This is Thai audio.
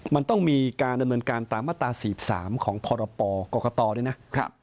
มันต้องมีการเนินดำเนินการตามมาตราสีบสามของพรปอกรกฎาด้วยนะครับ